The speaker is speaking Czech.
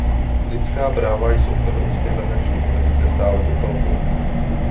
Lidská práva jsou v evropské zahraniční politice stále Popelkou.